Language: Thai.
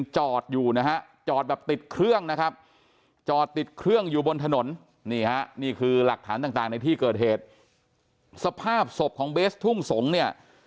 จอติดเครื่องอยู่บนถนนเนี่ยคือหลักฐานต่างในที่เกิดเหตุสภาพศพของเบสทุ่งสงเนี่ย